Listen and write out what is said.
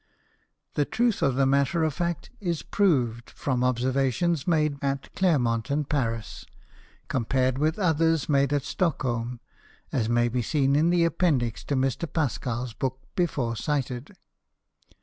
_ The truth of the Matter of Fact is prov'd from Observations made at Clermont and Paris, compar'd with others, made at Stockholm, as may be seen in the Appendix to Mr. Pascal's Book before cited.